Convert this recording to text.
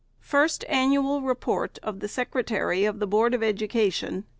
FIRST ANNUAL REPORT SECRETARY OF THE BOARD OF EDUCATION.